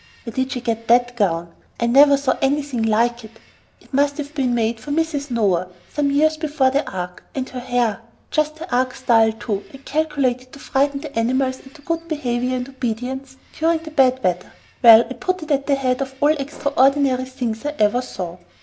where did she get that gown? I never saw anything like it. It must have been made for Mrs. Noah, some years before the ark. And her hair! just the ark style, too, and calculated to frighten the animals into good behavior and obedience during the bad weather. Well, I put it at the head of all the extraordinary things I ever saw."